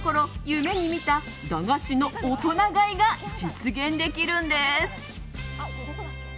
夢に見た駄菓子の大人買いが実現できるんです。